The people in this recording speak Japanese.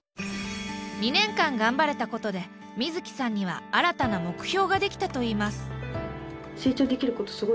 ２年間頑張れたことで瑞樹さんには新たな目標ができたといいます。